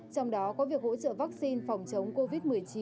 trong đó có việc hỗ trợ vaccine phòng chống covid một mươi chín